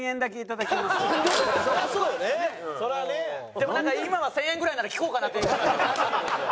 でもなんか今は１０００円ぐらいなら聞こうかなっていう気持ちになっちゃってるんですよ。